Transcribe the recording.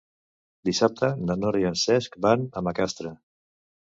Dissabte na Nora i en Cesc van a Macastre.